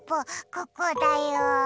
ここだよ。